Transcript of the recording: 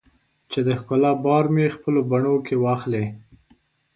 چې د ښکلا بار مې خپلو بڼو کې واخلې